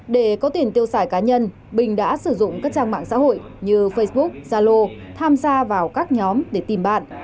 để có tiền tiêu xài cá nhân bình đã sử dụng các trang mạng xã hội như facebook zalo tham gia vào các nhóm để tìm bạn